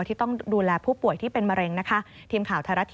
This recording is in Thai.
ที่ต้องดูแลผู้ป่วยที่เป็นมะเร็งนะคะ